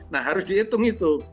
nah harus dihitung itu